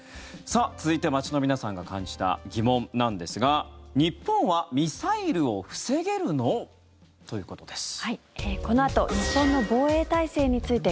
続いて、街の皆さんが感じた疑問なんですが日本はミサイルを防げるの？ということです。